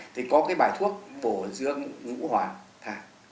thì có cái bài thuốc bổ dương ngũ hoàn thang